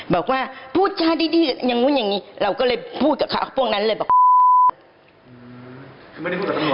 บอกว่าผู้ชายดีอย่างนู้นอย่างงี้เราก็เลยพูดกับพวกนั้นเลยบอกแบบแบบแบบ